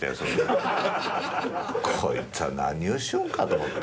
こいつは何をしよんかと思って。